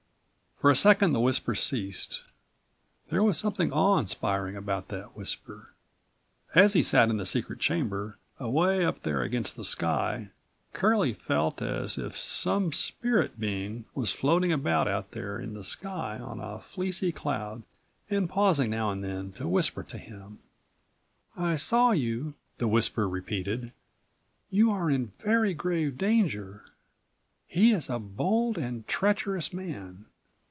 For a second the whisper ceased. There was something awe inspiring about that whisper. As he sat in his secret chamber away up there against the sky, Curlie felt as if some spirit being was floating about out there in the sky on a fleecy cloud and pausing now and then to whisper to him. "I saw you," the whisper repeated. "You are in very grave danger. He is a bold and treacherous man.